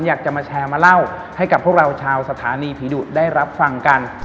อยากจะมาแชร์มาเล่าให้กับพวกเราชาวสถานีผีดุได้รับฟังกัน